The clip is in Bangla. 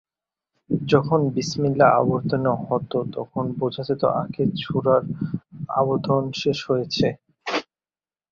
যখন "বিসমিল্লাহ" অবতীর্ণ হতো তখন বোঝা যেত, আগের সূরার অবতরণ শেষ হয়েছে।